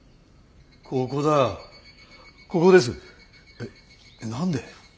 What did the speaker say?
えっ何で？